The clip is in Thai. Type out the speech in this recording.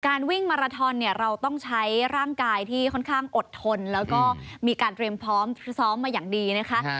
วิ่งมาราทอนเนี่ยเราต้องใช้ร่างกายที่ค่อนข้างอดทนแล้วก็มีการเตรียมพร้อมซ้อมมาอย่างดีนะคะ